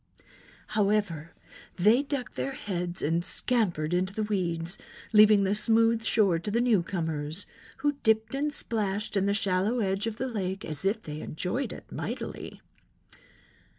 However, they ducked their heads and scampered into the weeds, leaving the smooth shore to the new comers, who dipped and splashed in the shallow edge of the lake as if they enjoyed it mightily.